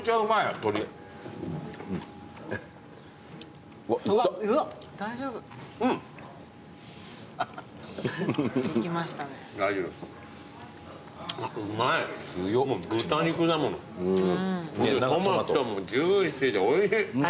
トマトもジューシーでおいしい！